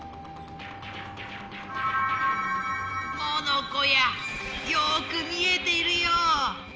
モノコやよく見えているよ。